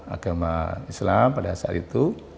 agama islam pada saat itu